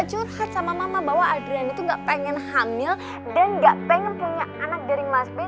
curhat sama mama bahwa adrian itu gak pengen hamil dan gak pengen punya anak dari mas b